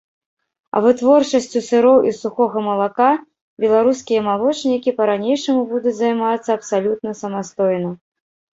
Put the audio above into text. А вытворчасцю сыроў і сухога малака беларускія малочнікі па-ранейшаму будуць займацца абсалютна самастойна.